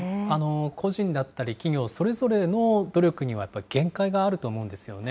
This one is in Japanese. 個人だったり、企業、それぞれの努力には限界があると思うんですよね。